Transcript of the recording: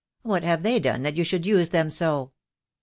What have they done that you should use them so?"